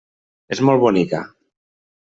És molt bonica.